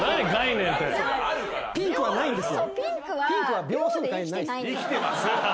ピンクはないんですよ。